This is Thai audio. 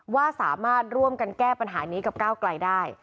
ว่าสามารถร่วมกันแก้ปัญหานี้กับก้าวไกลได้